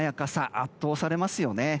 圧倒されますよね。